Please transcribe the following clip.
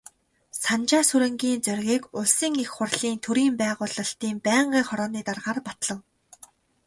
Санжаасүрэнгийн Зоригийг Улсын Их Хурлын төрийн байгуулалтын байнгын хорооны даргаар батлав.